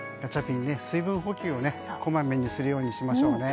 水分補給をこまめにするようにしましょう。